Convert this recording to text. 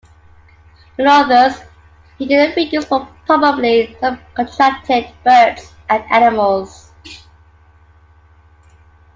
In others he did the figures but probably sub-contracted birds and animals.